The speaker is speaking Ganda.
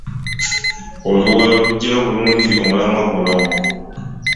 Oluwalo luggyayo bulungi omulamwa guno.